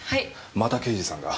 また刑事さんが。